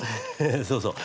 そうそう。